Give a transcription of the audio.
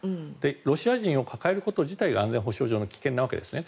ロシア人を抱えること自体が安全保障上の危険なわけですね。